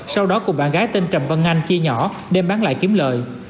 sau đó cùng bạn gái tên trầm vân anh chia nhỏ đem bán lại kiếm lợi